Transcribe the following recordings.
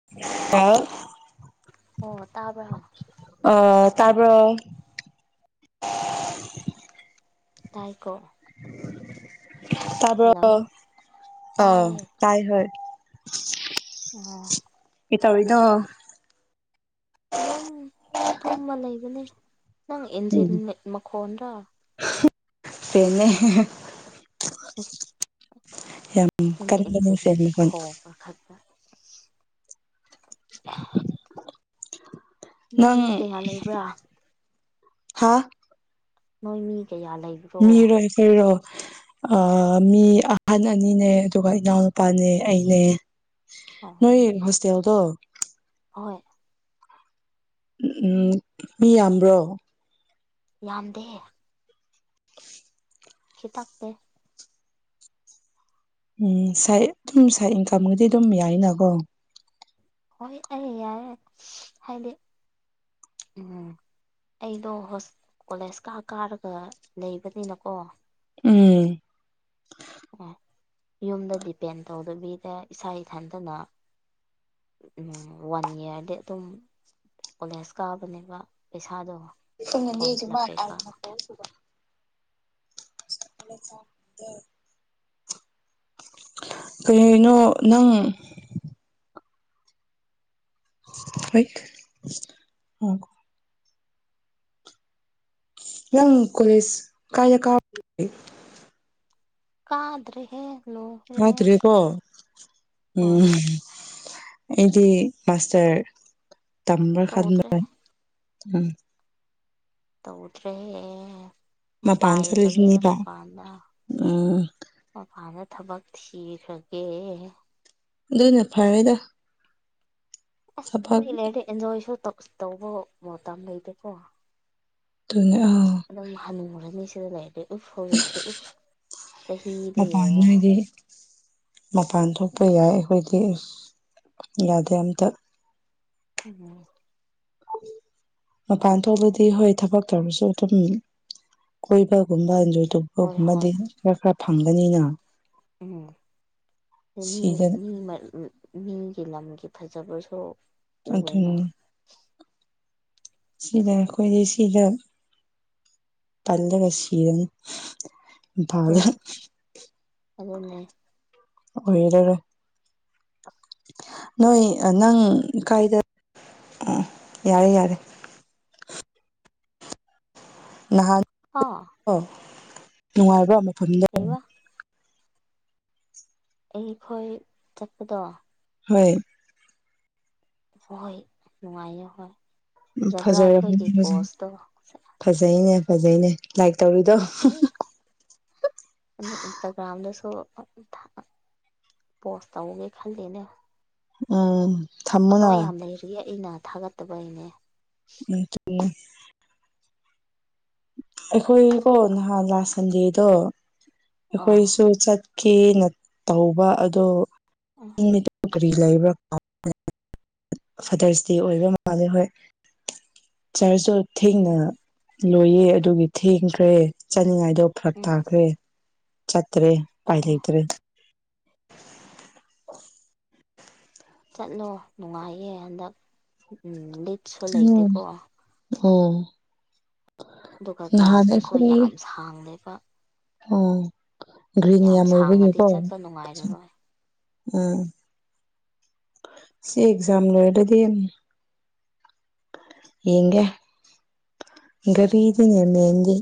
[inaudible] ꯑꯣ ꯇꯥꯕ꯭ꯔꯣ ꯑ ꯇꯥꯕ꯭ꯔꯣ ꯇꯥꯏꯀꯣ ꯇꯥꯕ꯭ꯔꯣ ꯍꯜꯂꯣ ꯑꯣ ꯇꯥꯏꯌꯦ ꯇꯥꯏ ꯍꯣꯏ ꯑꯣ ꯀꯩꯇꯧꯔꯤꯅꯣ ꯑꯗꯨꯝ ꯇꯨꯝꯃ ꯂꯩꯕꯅꯦ ꯅꯪ ꯎꯝ ꯏꯟꯖꯤꯟ ꯃꯈꯣꯟꯗ꯭ꯔꯥ [unintelligible] ꯎ ꯌꯥꯝ ꯀꯟꯕꯅꯦ ꯐꯦꯟ ꯃꯈꯣꯟ [inaudible] [inaudible] ꯅꯣꯏ ꯅꯪ ꯃꯤ ꯀꯌꯥ ꯂꯩꯕ꯭ꯔꯥ ꯍꯥꯥ ꯅꯣꯏ ꯃꯤ ꯀꯌꯥ ꯂꯩꯕ ꯃꯤꯔꯣ ꯑꯩꯈꯣꯔꯡꯏꯔꯣ ꯑ ꯃꯤ ꯑꯍꯟ ꯑꯅꯤꯅꯦ ꯑꯗꯨꯒ ꯏꯅꯥꯎꯅꯨꯄꯥꯅꯦ ꯑꯩꯅꯦ ꯑꯣ ꯅꯣꯏ ꯍꯣꯁꯇꯦꯜ ꯗꯣ ꯍꯣꯏ ꯑ-ꯎꯝ ꯃꯤ ꯌꯥꯝꯕ꯭ꯔꯣ ꯌꯥꯝꯗꯦ ꯈꯤꯇꯥꯛꯇꯦ ꯎꯝ ꯁꯥꯏ ꯑꯗꯨꯝ ꯁꯥꯏ ꯏꯟꯀꯝꯒꯗꯤ ꯑꯗꯨꯝ ꯌꯥꯏꯅꯀꯣ ꯍꯣꯏ ꯑꯩ ꯌꯥꯌꯦ ꯍꯥꯏꯗꯤ ꯎꯝ ꯑꯩꯗꯣ ꯍꯣꯁ-ꯀꯣꯂꯦꯖ ꯀꯥ ꯀꯥꯔꯒ ꯂꯩꯕꯅꯤꯅꯀꯣ ꯎꯝ ꯑꯣ ꯌꯨꯝꯗ ꯗꯤꯄꯦꯟ ꯇꯧꯗꯕꯤꯗ ꯏꯁꯥ ꯏꯊꯟꯇꯅ ꯎꯝ ꯋꯥꯟ ꯌꯥꯔꯗꯤ ꯑꯗꯨꯝ ꯀꯣꯂꯦꯖ ꯀꯥꯕꯅꯦꯕ ꯄꯩꯁꯥꯗꯣ ꯐꯣꯝ ꯐꯤꯜ ꯎꯞ ꯀꯩꯀꯥ [unintelligible] [inaudible] ꯀꯩꯍꯩꯅꯣ ꯅꯪ [unintelligible] ꯌꯪ ꯀꯣꯂꯦꯁ ꯀꯥꯏꯗ꯫ ꯀꯥ [inaudible] ꯑꯣꯏ ꯀꯥꯗ꯭ꯔꯦꯍꯦ ꯂꯣꯍ꯭ꯔꯦ ꯀꯣ ꯎꯝ ꯑꯩꯗꯤ ꯃꯥꯁꯇꯔ ꯇꯝꯕ꯭ꯔ ꯇꯧꯗ꯭ꯔꯦ ꯈꯥꯟꯕꯅꯦ ꯎꯝ ꯇꯧꯗ꯭ꯔꯦ ꯃꯄꯥꯟ ꯄꯥꯏꯈ꯭ꯔꯒꯦ ꯆꯠꯂꯤꯁꯤꯅꯦꯕ ꯃꯄꯥꯟꯗ ꯎꯝ ꯃꯄꯥꯟꯗ ꯊꯕꯛ ꯊꯤꯈ꯭ꯔꯒꯦ ꯑꯗꯨꯅ ꯐꯔꯦꯗ ꯑꯁ ꯊꯕꯛ ꯅꯪꯗꯤ ꯂꯩꯔ ꯑꯦꯟꯖꯣꯏꯁꯨ ꯇꯧꯕ ꯃꯇꯝ ꯂꯩꯇꯦꯀꯣ ꯑꯗꯨꯅꯦ ꯑꯥ ꯑꯗꯨꯝ ꯍꯟꯅꯤꯡꯈꯨꯔꯅꯤ ꯁꯤꯗ ꯂꯩꯔꯗꯤ ꯎꯐ ꯍꯧꯖꯤꯛꯁ ꯎꯐ ꯆꯍꯤꯗꯣ ꯃꯄꯥꯟ ꯌꯦꯡꯉꯣ ꯅꯣꯏꯗꯤ ꯃꯄꯥꯟ ꯊꯣꯛꯄ ꯌꯥꯏ ꯑꯩꯈꯣꯏꯗꯤ ꯑꯁ ꯌꯥꯗꯦ ꯑꯝꯇ ꯎꯝ ꯃꯄꯥꯟ ꯊꯣꯛꯂꯗꯤ ꯍꯣꯏ ꯊꯕꯛ ꯇꯧꯔꯁꯨ ꯑꯗꯨꯝ ꯀꯣꯏꯕꯒꯨꯝꯕ ꯑꯦꯟꯖꯣ ꯍꯣꯏ ꯍꯣꯏ ꯑꯇꯞꯄꯒꯨꯝꯕꯗꯤ ꯈꯔ ꯈꯔ ꯐꯪꯒꯅꯤꯅ ꯎꯝ ꯁꯤꯗ ꯑꯩ ꯃꯤ ꯃꯤꯒꯤ ꯂꯝꯒꯤ ꯐꯖꯕꯁꯨ ꯎꯋꯦꯅ ꯑꯗꯨꯅꯤ ꯁꯤꯗ ꯑꯩꯈꯣꯏꯗꯤ ꯁꯤꯗ ꯇꯂ ꯀꯁꯤꯔꯝ ꯄꯥꯂ ꯎꯝ ꯑꯗꯨꯅꯦ ꯑꯣꯏꯔꯔ ꯅꯣꯏ ꯅꯪ ꯀꯥꯏꯗ ꯎ ꯌꯥꯔꯦ ꯌꯥꯔꯦ ꯅꯍꯥꯟ ꯑꯥ ꯑꯣ ꯅꯨꯡꯉꯥꯏꯕ꯭ꯔꯣ ꯃꯐꯝꯗꯣ ꯀꯩꯕꯥ ꯑꯩꯈꯣꯏ ꯆꯠꯄꯗꯣ ꯍꯣꯏ ꯍꯣꯏ ꯅꯨꯡꯉꯥꯏꯌꯦ ꯍꯣꯏ ꯐꯖꯕ꯭ꯔꯥ ꯐꯖꯔꯝꯃꯅꯤ ꯑꯩꯈꯣꯏꯒꯤ ꯍꯧꯖꯤꯛ ꯄꯣꯁꯇꯣ ꯐꯖꯩꯅꯦ ꯐꯖꯩꯅꯦ ꯂꯥꯏꯛ ꯇꯧꯔꯤꯗꯣ ꯑ ꯏꯟꯁꯇꯒ꯭ꯔꯥꯝꯗꯁꯨ ꯊꯥ ꯄꯣꯁ ꯇꯧꯒꯦ ꯈꯜꯂꯤꯅꯦ ꯎꯝ ꯐꯣꯇꯣ ꯊꯝꯃꯣꯅ ꯌꯥꯝ ꯂꯩꯔꯤꯌꯦ ꯑꯩꯅ ꯊꯥꯒꯠꯇꯕꯩꯅꯦ ꯎ [unintelligible] ꯑꯩꯈꯣꯏꯀꯣ ꯅꯍꯥꯟ ꯂꯥꯁ ꯁꯟꯗꯦꯗꯣ ꯑꯥ ꯑꯩꯈꯣꯏꯁꯨ ꯆꯠ ꯀꯦꯅ ꯇꯧꯕ ꯑꯗꯣ ꯎꯝ ꯂꯩꯕ꯭ꯔꯥ ꯐꯗꯔꯁ ꯗꯦ ꯑꯣꯏꯕ ꯃꯥꯜꯂꯦ ꯍꯣꯏ ꯆꯔꯖꯇꯣ ꯎꯝ ꯊꯦꯡꯅ ꯂꯣꯏꯌꯦ ꯑꯗꯨꯒꯤ ꯊꯦꯡꯈ꯭ꯔꯦ ꯆꯥꯅꯤꯡꯉꯥꯏꯗꯣ ꯈꯔ ꯎꯝ ꯇꯥꯈ꯭ꯔꯦ ꯆꯠꯇ꯭ꯔꯦ ꯎꯄꯥꯏ ꯑꯣ ꯂꯩꯇ꯭ꯔꯦ ꯆꯠꯂꯣ ꯅꯨꯡꯉꯥꯏꯌꯦ ꯍꯟꯗꯛ ꯂꯤꯔꯤꯠꯁꯨ ꯎꯝ ꯂꯩꯇꯦꯀꯣ ꯑꯣ ꯑꯗꯨꯒ ꯅꯍꯥꯟ ꯒ꯭ꯔꯥꯁꯇꯨꯁꯨ ꯑꯩꯈꯣꯏ ꯌꯥꯝ ꯁꯥꯡꯂꯦꯕ ꯑꯣ ꯒ꯭ꯔꯤꯟ ꯌꯥꯝ ꯁꯥꯡꯉꯗꯤ ꯑꯣꯏꯕꯒꯤꯀꯣ ꯎꯝ ꯆꯠꯄ ꯅꯨꯡꯉꯥꯏꯔꯔꯣꯏ ꯁꯤ ꯑꯦꯖꯝ ꯂꯣꯏꯔꯗ ꯌꯦꯒ ꯎꯝ ꯔꯤꯗꯃꯦꯖ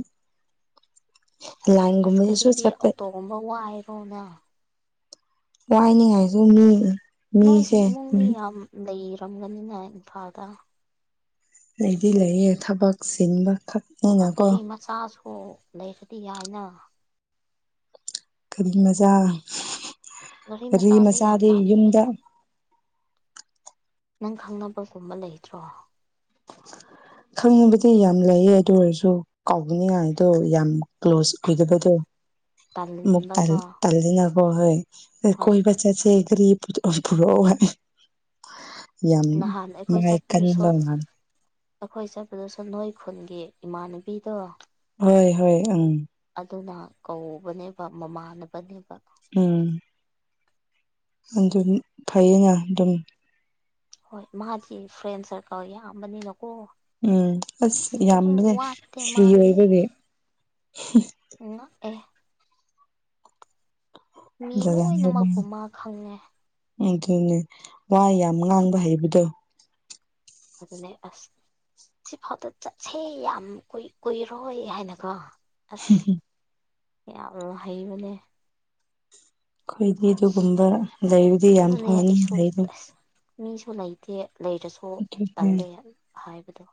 ꯂꯥꯏꯟ ꯒꯨꯝꯕꯁꯤꯁꯨ ꯆꯥꯠ ꯑꯣꯝꯕ ꯋꯥ ꯍꯥꯏꯔꯅ ꯋꯥꯏꯅꯤꯉꯥꯏꯁꯨ ꯃꯤ ꯅꯣꯏꯒꯤ ꯃꯤꯁꯦ ꯏꯃꯨꯡꯗꯤ ꯌꯥꯝ ꯂꯩꯔꯝꯒꯅꯤꯅ ꯏꯝꯐꯥꯜꯗ ꯂꯩꯗꯤ ꯂꯩꯌꯦ ꯊꯕꯛ ꯆꯤꯟꯕ ꯑꯗꯨꯒ ꯈꯛꯅꯤꯅꯀꯣ ꯒꯥꯔꯤ ꯃꯆꯥꯁꯨ ꯂꯩꯔꯗꯤ ꯍꯥꯏꯅ ꯀꯔꯤ ꯃꯆꯥ ꯒꯥꯔꯤ ꯀꯔꯤ ꯌꯥꯝ ꯃꯆꯥꯗꯤ ꯂꯥꯛꯑꯦ ꯌꯨꯝꯗ ꯅꯪ ꯈꯪꯅꯕꯒꯨꯝꯕ ꯂꯩꯇ꯭ꯔꯣ ꯈꯪꯉꯨꯕꯗꯤ ꯌꯥꯝ ꯂꯩꯌꯦ ꯑꯗꯨ ꯑꯣꯏꯔꯁꯨ ꯀꯥꯎꯅꯤꯉꯥꯏꯗꯣ ꯌꯥꯝ ꯀ꯭ꯂꯣꯁ ꯑꯣꯏꯗꯕꯗꯣ ꯑꯃꯨꯛ ꯇꯜꯂꯒ ꯇꯜꯂꯤꯅꯕꯣ ꯍꯣꯏ ꯍꯣꯏ ꯀꯣꯏꯕ ꯆꯁꯦ ꯔꯤ ꯄꯨꯔꯣ ꯍꯥꯏ ꯌꯥꯝ ꯅꯍꯥꯟ ꯑꯩꯈꯣꯏ ꯃꯥꯏꯀꯔ ꯆꯠꯄꯗꯨꯁꯨ ꯑꯩꯈꯣꯏ ꯆꯠꯄꯗꯁꯨ ꯅꯣꯏ ꯈꯨꯟꯒꯤ ꯏꯃꯥꯟꯅꯕꯤꯗꯣ ꯍꯣꯏ ꯍꯣꯏ ꯎꯝ ꯑꯗꯨꯅ ꯀꯧꯕꯅꯦꯕ ꯃꯃꯥꯟꯅꯕꯅꯦꯕ ꯎꯝ ꯑꯗꯨ ꯐꯩꯌꯦꯅ ꯑꯗꯨꯝ ꯍꯣꯏ ꯃꯥꯗꯤ ꯐ꯭ꯔꯦꯟ ꯁꯔꯀꯜ ꯌꯥꯝꯕꯅꯤꯅꯀꯣ ꯎꯝ ꯑꯁ ꯑꯗꯨ ꯑꯗꯨ ꯌꯥꯝꯕꯅꯦ ꯋꯥꯇꯦ ꯐ꯭ꯔꯤ ꯃꯥꯅꯦꯦ ꯑꯣꯏꯕꯒꯤ ꯅꯑ ꯑꯦ ꯃꯤ ꯖꯒꯥꯅꯤ ꯂꯣꯏꯅꯃꯛꯄꯨ ꯃꯥ ꯈꯪꯉꯦ ꯑꯗꯨꯅꯦ ꯋꯥ ꯌꯥꯝ ꯉꯥꯡꯕ ꯍꯩꯕꯗꯣ ꯑꯗꯨꯅꯦ ꯑꯁ ꯁꯤꯐꯥꯎꯗ ꯆꯠꯁꯦ ꯌꯥꯝ ꯀꯨꯏꯔꯣꯏ ꯍꯥꯏꯅꯀꯣ ꯑꯁ ꯌꯥꯝ ꯍꯩꯕꯅꯦ ꯑꯩꯈꯣꯏꯗꯤ ꯑꯗꯨꯒꯨꯝꯕ ꯂꯩꯕꯨꯗꯤ ꯌꯥꯝ ꯑꯗꯨꯅꯦ ꯐꯅꯤ ꯑꯩꯁꯨ ꯂꯩꯗ ꯑꯁ ꯃꯤꯁꯨ ꯂꯩꯇꯦ ꯂꯩꯔꯁꯨ ꯇꯜꯂꯦ ꯑꯩ ꯍꯥꯏꯕꯗꯣ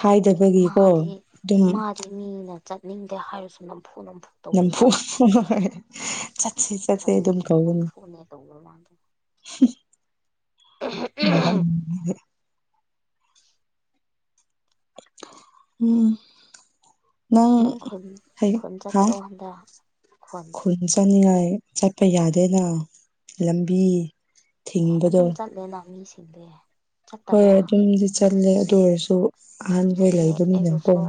ꯍꯥꯏꯗꯕ ꯃꯥꯗꯤ ꯃꯥꯗꯤ ꯃꯤꯅ ꯆꯠꯅꯤꯡꯗꯦ ꯍꯥꯏꯔꯁꯨ ꯅꯝꯐꯨ ꯅꯝꯐꯨ ꯅꯝꯐꯨ ꯇꯧꯋꯦꯕ ꯆꯠꯁꯤ ꯆꯠꯁꯤ ꯑꯗꯨꯝ ꯑꯗꯨꯅꯦ ꯀꯧꯅꯤ ꯅꯝꯐꯨꯅꯦ ꯇꯧꯕ ꯃꯥꯗꯣ ꯑ ꯎꯝ ꯅꯪ ꯈꯨꯟ ꯍꯩ ꯈꯣꯟ ꯍꯥ ꯆꯠꯇ꯭ꯔꯣ ꯍꯟꯗ ꯈꯣꯟ ꯈꯨꯟ ꯆꯠꯅꯤꯡꯉꯥꯏ ꯆꯠꯄ ꯌꯥꯗꯦꯅ ꯂꯝꯕꯤ ꯑꯦ ꯊꯤꯡꯕꯗꯣ ꯑꯗꯨꯝ ꯆꯠꯂꯦꯅ ꯃꯤꯁꯤꯡꯁꯦ ꯍꯣꯏꯣꯏ ꯑꯗꯨꯝꯗꯤ ꯆꯠꯂꯦ ꯑꯗꯨ ꯑꯣꯏꯔꯁꯨ ꯑꯍꯥꯟꯕ ꯑꯣꯏ ꯀꯤꯌꯦ ꯂꯩꯕꯅꯤꯅꯀꯣ ꯑꯩꯕꯨꯁꯨ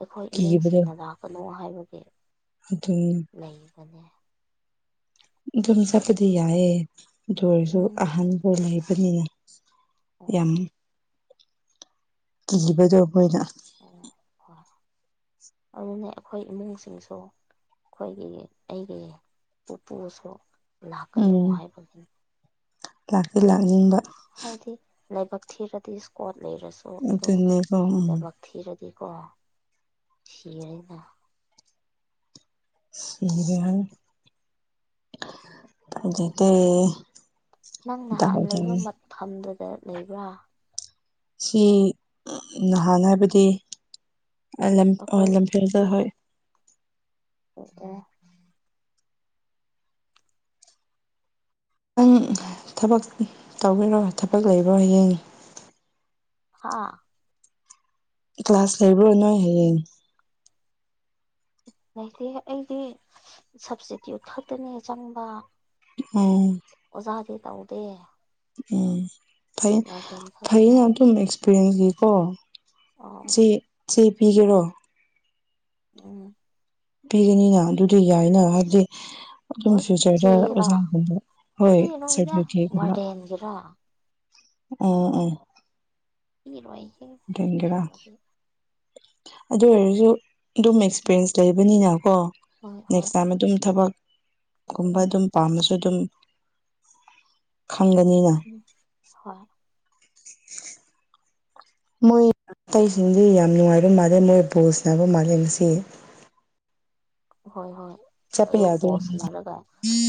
ꯑꯩꯈꯣꯏ ꯀꯤꯕꯗꯣ ꯏꯃꯨꯡꯁꯤꯡꯅ ꯂꯥꯛꯀꯅꯨ ꯍꯥꯏꯕꯒꯤ ꯑꯗꯨ ꯅꯤ ꯑꯗꯨꯝ ꯆꯠꯄꯗꯤ ꯌꯥꯏꯑꯦ ꯑꯗꯨꯔꯁꯨ ꯎꯝ ꯑꯍꯟꯕ ꯂꯩꯕꯅꯤꯅ ꯑꯣ ꯌꯥꯝꯅꯤ ꯀꯤꯕꯗꯣ ꯑꯩꯈꯣꯏꯅ ꯑꯣ ꯍꯣꯏ ꯑꯗꯨꯅ ꯑꯩꯈꯣꯏ ꯏꯃꯨꯡꯁꯤꯡꯁꯨ ꯑꯩꯈꯣꯏꯒꯤ ꯑꯩꯒꯤ ꯄꯨꯄꯨꯁꯨ ꯂꯥꯛꯀꯅꯨ ꯍꯥꯏꯕꯒꯤꯅꯤ ꯂꯥꯛꯄꯤ ꯂꯥꯛꯅꯤꯡꯕ ꯍꯥꯏꯗꯤ ꯂꯥꯏꯕꯛ ꯊꯤꯔꯗꯤ ꯏꯁꯀꯣꯠ ꯂꯩꯔꯁꯨ ꯑꯗꯨꯝ ꯑꯗꯨꯅꯦꯀꯣ ꯎꯝ ꯂꯥꯏꯕꯛ ꯊꯤꯔꯗꯤꯀꯣ ꯁꯤꯔꯅꯤꯗ ꯁꯤ [unintelligible] ꯅꯪ ꯅꯍꯥꯟ ꯂꯩꯕ ꯃꯐꯝꯗꯨꯗ ꯂꯩꯕ꯭ꯔꯥ ꯁꯤ ꯅꯍꯥꯟ ꯍꯥꯏꯕꯗꯤ ꯑꯩꯈꯣꯏ ꯂꯝꯐꯦꯜꯗ ꯍꯣꯏ ꯑꯣ ꯑꯣ ꯈꯤꯇꯪ ꯊꯕꯛ ꯇꯧꯕꯤꯔꯣ ꯊꯕꯛ ꯂꯩꯕ꯭ꯔꯣ ꯍꯌꯦꯡ ꯍꯥꯥ ꯀ꯭ꯂꯥꯁ ꯂꯩꯕ꯭ꯔ ꯅꯣꯏ ꯍꯌꯦꯡ ꯂꯩꯇꯦ ꯑꯩꯗꯤ ꯁꯞꯇꯤꯇ꯭ꯌꯨꯠ ꯈꯛꯇꯅꯦ ꯆꯪꯕ ꯎꯝ ꯑꯣꯖꯥꯗꯤ ꯇꯧꯗꯦ ꯎꯝ ꯐꯩ ꯋꯥꯔꯗꯦꯟ ꯐꯩꯅ ꯈꯛꯇꯅꯤ ꯑꯗꯨꯝ ꯑꯦꯛꯁꯄꯤꯔꯤꯌꯦꯟꯁꯒꯤꯀꯣ ꯑꯣ ꯁꯤ ꯆꯦ ꯄꯤꯒꯦꯔꯣ ꯎꯝ ꯄꯤꯔꯅꯤꯅ ꯑꯗꯨꯗꯤ ꯌꯥꯏꯅ ꯍꯥꯏꯕꯗꯤ ꯑꯗꯨꯝ ꯍꯣꯏ ꯐ꯭ꯌꯨꯆꯔꯗ ꯆꯦꯔꯥ ꯑꯣꯖꯥꯒꯨꯝꯕ ꯄꯤꯔꯣꯏꯗ ꯍꯣꯏꯇꯒꯕ ꯋꯥꯔꯗꯦꯟꯒꯤꯔꯥ ꯑꯣ ꯑ ꯏ ꯂ ꯋꯥꯏꯒ [unintelligible] ꯒꯔꯥ ꯑꯗꯨ ꯑꯣꯏꯔꯁꯨ ꯑꯗꯨꯝ ꯑꯦꯛꯁꯄꯤꯔꯦꯟꯁ ꯂꯩꯕꯅꯤꯅꯀꯣ ꯍꯣꯏ ꯍꯣꯏ ꯅꯦꯛꯁ ꯇꯥꯏꯝ ꯑꯗꯨꯝ ꯊꯕꯛꯀꯨꯝꯕ ꯎꯝ ꯑꯗꯨꯝ ꯄꯥꯝꯃꯦ ꯁꯨ ꯑꯗꯨꯝ ꯈꯪꯒꯅꯤꯅ ꯎꯝ ꯍꯣꯏ ꯃꯣꯏ ꯑꯇꯩꯁꯤꯡꯗꯤ ꯌꯥꯝ ꯅꯨꯡꯉꯥꯏꯕ ꯃꯥꯜꯂꯦ ꯃꯣꯏ ꯕꯣꯁꯅꯕ ꯃꯥꯜꯂꯦ ꯃꯁꯤ ꯍꯣꯏ ꯍꯣꯏ ꯆꯠꯄ ꯑꯗꯣ ꯌꯥꯗꯣꯏꯔ ꯕꯣꯁꯅꯔꯒ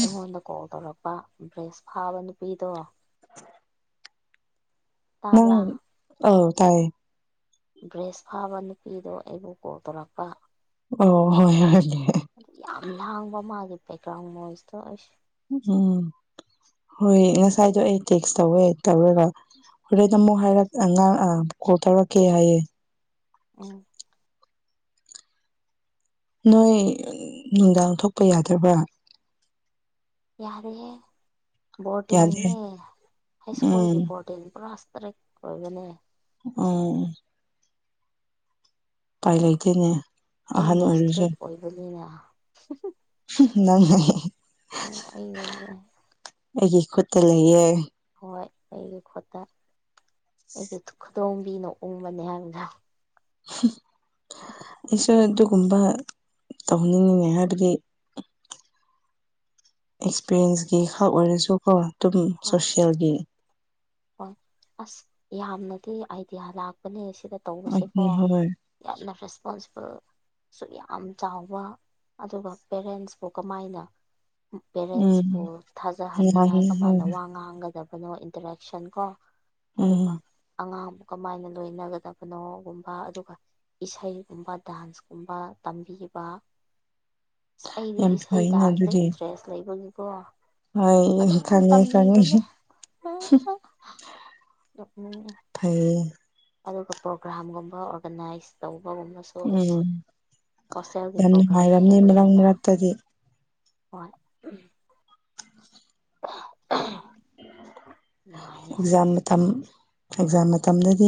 ꯑꯩꯉꯣꯟꯗ ꯀꯣꯜ ꯇꯧꯔꯛꯄ ꯗ꯭ꯔꯦꯁ ꯐꯥꯕ ꯅꯨꯄꯤꯗꯣ ꯅꯪ ꯇꯥꯕ꯭ꯔꯥ ꯑꯧ ꯇꯥꯏꯌꯦ ꯗ꯭ꯔꯦꯁ ꯐꯥꯕ ꯅꯨꯄꯤꯗꯣ ꯑꯩꯕꯨ ꯀꯣꯜ ꯇꯧꯔꯛꯄ [unintelligible] ꯑꯗꯨ ꯌꯥꯝ ꯂꯥꯡꯕ ꯃꯥꯒꯤ ꯕꯦꯛꯒ꯭ꯔꯥꯎꯟ ꯃꯣꯏꯁꯇꯣ ꯑꯩꯁꯦ ꯎꯝ ꯍꯣꯏ ꯉꯁꯥꯏꯗꯣ ꯑꯩ ꯇꯦꯛꯁ ꯇꯧꯋꯦ ꯇꯧꯔꯒ ꯍꯣꯔꯦꯟ ꯅ ꯑꯃꯨꯛ ꯍꯥꯏꯔꯛ ꯑꯥꯡ ꯀꯣꯜ ꯇꯧꯔꯛꯀꯦ ꯍꯥꯏꯌꯦ ꯎꯝ ꯅꯣꯏ ꯅꯨꯡꯗꯥꯡ ꯊꯣꯛꯄ ꯌꯥꯗ꯭ꯔꯕ꯭ꯔꯥ ꯌꯥꯔꯣꯍꯦ ꯌꯥꯗꯦ ꯕꯣꯔꯗꯤꯡꯅꯦ ꯍꯥꯏ ꯎꯝ ꯁ꯭ꯀꯨꯜꯒꯤ ꯕꯣꯔꯗꯤꯡ ꯄꯨꯔꯥꯥꯁ ꯇꯔꯦꯠ ꯑꯣꯏꯕꯅꯦ ꯑꯣ ꯄꯥꯏ ꯂꯩꯥꯇꯦꯅꯦ ꯑꯩꯅ ꯏꯁꯇ꯭ꯔꯤꯛ ꯑꯣꯏꯕꯅꯤꯅ ꯅꯪ ꯎ ꯑꯩꯒꯜ ꯌꯥ ꯑꯩꯒꯤ ꯈꯨꯠꯇ ꯂꯩꯌꯦ ꯍꯣꯏ ꯑꯩꯒꯤ ꯈꯨꯠꯇ ꯑꯩꯒꯤ ꯈꯨꯗꯣꯡꯕꯤꯅ ꯎꯕꯅꯦ ꯍꯥꯏꯕꯗ ꯑꯩꯁꯨ ꯑꯗꯨꯒꯨꯝꯕ ꯇꯧꯅꯤꯡꯉꯉꯦ ꯍꯥꯏꯕꯗꯤ ꯑꯦꯛꯁꯄꯤꯔꯤꯌꯦꯟꯁꯀꯤ ꯈꯛ ꯑꯣꯏꯔꯁꯨꯀꯣ ꯑꯗꯨꯝ ꯍꯣꯏ ꯁꯣꯁꯦꯜꯒꯤ ꯍꯣꯏ ꯑꯁ ꯌꯥꯝꯅꯗꯤ ꯑꯥꯏꯗꯤꯌꯥ ꯂꯥꯛꯄꯅꯦ ꯁꯤꯗ ꯎꯝ ꯇꯧꯕꯁꯦꯀꯣ ꯍꯣꯏ ꯌꯥꯝ ꯅ ꯔꯦꯁꯄꯣꯟꯁꯤꯕꯜ ꯁꯨꯛ ꯌꯥꯝ ꯆꯥꯎꯕ ꯑꯗꯨꯒ ꯄꯦꯔꯦꯟꯁꯄꯨ ꯀꯃꯥꯏꯅ ꯎꯝ ꯄꯦꯔꯦꯟꯁꯄꯨ ꯊꯥꯖꯍꯟꯅꯤꯡꯉꯥꯏ ꯌꯥꯅꯤ ꯀꯃꯥꯏꯅ ꯍꯣꯏ ꯋꯥ ꯉꯥꯡꯒꯗꯕꯅꯣ ꯏꯟꯇꯔꯦꯛ ꯑꯦꯛꯁꯟ ꯀꯣ ꯎꯝ ꯑꯗꯨꯒ ꯑꯉꯥꯡꯕꯨ ꯀꯃꯥꯏꯅ ꯂꯣꯏꯅꯒꯗꯕꯅꯣꯒꯨꯝꯕ ꯑꯗꯨꯒ ꯏꯁꯩꯒꯨꯝꯕ ꯗꯥꯟꯁꯀꯨꯝꯕ ꯇꯝꯕꯤꯕ ꯑꯁ ꯑꯩꯗꯤ ꯌꯥꯝ ꯏꯁꯩ ꯐꯩꯅ ꯗꯥꯟꯁꯇ ꯏꯟꯇꯔꯦꯁ ꯂꯩꯕꯒꯤꯀꯣ ꯍ ꯑꯗꯨꯝ ꯈꯅꯤ ꯈꯅꯤ ꯅꯣꯛꯅꯥꯅꯡꯉꯦ ꯐ ꯐꯩ ꯑꯗꯨꯒ ꯄ꯭ꯔꯣꯒ꯭ꯔꯥꯝꯒꯨꯝꯕ ꯑꯣꯔꯒꯅꯥꯏꯁ ꯇꯧꯕꯒꯨꯝꯕꯁꯨ ꯁ ꯎꯝ ꯍꯣꯁꯇꯦꯜꯒꯤ ꯌꯥꯝ ꯄ꯭ꯔꯣꯒ꯭ꯔꯥꯝ ꯍꯦꯛ ꯅꯨꯡꯉꯥꯏꯔꯝꯅꯤ ꯍꯦꯛ ꯃꯔꯛ ꯂꯩꯅ ꯃꯔꯛꯇꯗꯤ ꯍꯣꯏ [unintelligible] ꯅꯨꯡꯉꯥꯏꯌꯦ ꯑꯦꯛꯖꯥꯝ ꯃꯇꯝ ꯑꯦꯛꯖꯥꯝ ꯃꯇꯝꯗꯗꯤ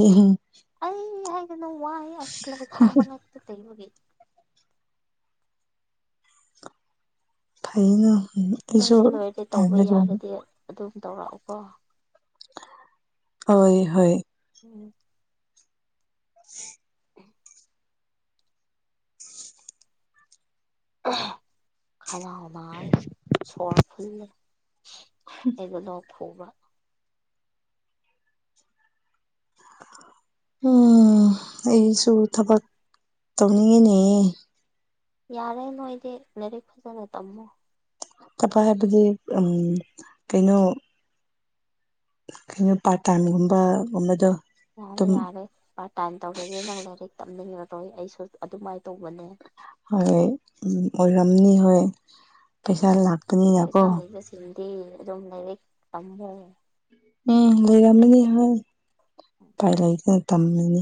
ꯑꯩ ꯍꯥꯏꯗꯤꯅ ꯋꯥꯏ ꯑꯁ ꯂꯩꯔ ꯐꯪꯕ ꯉꯛꯇ ꯇꯩꯕꯒꯤ ꯐꯥꯏꯅꯨ ꯅꯪꯁꯤ ꯂꯣꯏꯔꯗꯤ ꯇꯧꯕ ꯌꯥꯔꯗꯤ ꯑꯗꯨꯝ ꯇꯧꯔꯛꯎꯀꯣ ꯍꯣꯏ ꯍꯣꯏ ꯎꯝ [unintelligible] ꯀꯥꯏ ꯁꯣꯔ ꯐ ꯑꯦꯒꯂꯞ ꯍꯣꯡꯕ ꯎꯝ ꯑꯩꯁꯨ ꯊꯕꯛ ꯇꯧꯅꯤꯡꯉꯤꯅꯦ ꯌꯥꯔꯦ ꯅꯣꯏꯗꯤ ꯂꯥꯏꯔꯤꯛ ꯐꯖꯅ ꯇꯝꯃꯣ ꯆꯄ ꯍꯥꯏꯕꯗꯤ ꯀꯩꯅꯣ ꯀꯩꯅꯣ ꯄꯥꯔꯠ ꯇꯥꯏꯝꯒꯨꯝꯕ ꯒꯨꯝꯕꯗꯣ ꯌꯥꯔꯦ ꯌꯥꯔꯦ ꯄꯥꯔꯠ ꯇꯥꯏꯝ ꯇꯧꯔꯦꯒ ꯅꯪ ꯂꯥꯏꯔꯤꯛ ꯇꯝꯅꯤꯡꯉꯔꯣꯏ ꯑꯩꯁꯨ ꯑꯗꯨꯃꯥꯏꯅ ꯇꯧꯕꯅꯦ ꯍꯣꯏ ꯎ ꯑꯣꯏꯔꯝꯅꯤ ꯍꯣꯏ ꯄꯩꯁꯥ ꯂꯥꯛ ꯄꯩꯁꯥ ꯂꯩꯕꯁꯤꯡꯗꯤ ꯑꯗꯨꯝ ꯂꯩꯔ ꯇꯝꯃꯦ ꯎꯝ ꯂꯩꯔꯝꯃꯤꯅꯤ ꯍꯥꯏ ꯄꯥꯏ ꯂꯩꯥꯛꯒ ꯇꯝꯃꯤꯅꯤ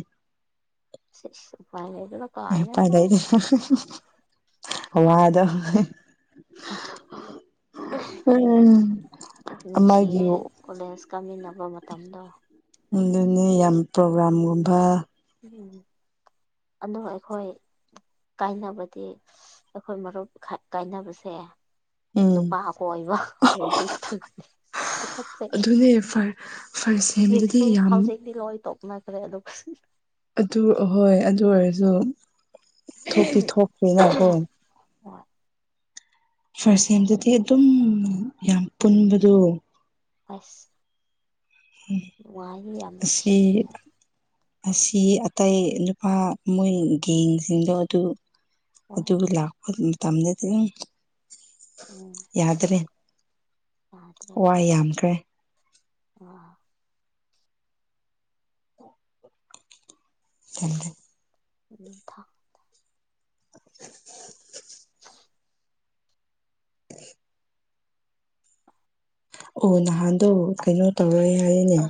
[unintelligible] ꯄꯥꯏꯗꯔꯤ ꯋꯥꯗ ꯎꯝ ꯅꯨꯡꯁꯤꯌꯦ ꯑꯃꯒꯤꯌꯨ ꯀꯣꯂꯦꯖ ꯀꯥꯃꯤꯟꯅꯕ ꯃꯇꯝꯗ ꯑꯗꯨꯅꯤ ꯌꯥꯝ ꯄ꯭ꯔꯣꯒ꯭ꯔꯥꯝꯒꯨꯝꯕ ꯑꯁ ꯎꯝ ꯑꯗꯣ ꯑꯩꯈꯣꯏ ꯀꯥꯏꯅꯕꯗꯤ ꯑꯩꯈꯣꯏ ꯃꯔꯨꯞ ꯀꯥꯏꯅꯕꯁꯦ ꯎꯝ ꯅꯨꯄꯥ ꯀ ꯑꯣꯏꯕꯊꯦ ꯄꯨꯈꯠꯆꯔꯤꯦ ꯑꯗꯨꯅꯦ ꯐꯔ ꯐꯥꯔꯁ ꯁꯦꯝꯗꯗꯤ ꯍꯧꯖꯤꯛꯁꯨ ꯌꯥꯝ ꯍꯧꯖꯤꯛꯇꯤ ꯂꯣꯏ ꯇꯣꯛ ꯃꯥ꯭ꯔꯦ ꯑꯗꯨ ꯑꯗꯨ ꯍꯣꯏ ꯑꯗꯨ ꯑꯣꯏꯔꯁꯨ ꯊꯣꯛꯇꯤ ꯊꯣꯛꯈ꯭ꯔꯦꯅꯀꯣ ꯍ ꯐꯥꯔꯁ ꯑꯦꯝꯗꯗꯤ ꯑꯗꯨꯝ ꯌꯥꯝ ꯄꯨꯟꯕꯗꯣ ꯑꯁ ꯅꯨꯡꯉꯥꯏꯌꯦ ꯌꯥꯝ ꯅꯨꯡꯁꯤꯌꯦ ꯁꯤꯠ ꯑꯁꯤ ꯑꯇꯩ ꯅꯨꯄꯥ ꯃꯣꯏ ꯒꯦꯡꯁꯤꯡꯗꯣ ꯑꯗꯨ ꯍꯣꯏ ꯑꯗꯨ ꯂꯥꯛ ꯇꯝꯦꯗꯤ ꯎꯝ ꯌꯥꯗ꯭ꯔꯦ ꯋꯥꯏ ꯌꯥꯝꯈ꯭ꯔꯦ ꯑꯥ [inaudible] [unintelligible] ꯎ ꯊ [inaudible] [inaudible] ꯑꯣ ꯅꯍꯥꯟꯗꯣ ꯀꯩꯅꯣ ꯇꯧꯔꯦ ꯍꯥꯏꯔꯤꯅꯦ